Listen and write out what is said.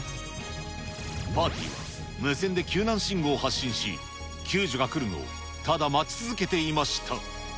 パーティーは無線で救難信号を発信し、救助が来るのをただ待ち続けていました。